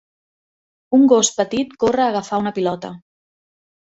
Un gos petit corre a agafar una pilota.